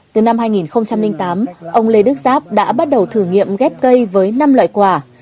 từ năm hai nghìn tám ông lê đức giáp đã bắt đầu thử nghiệm ghép cây với năm loại quả